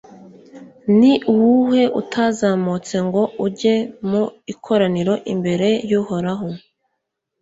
ni uwuhe utazamutse ngo ujye mu ikoraniro imbere y'uhoraho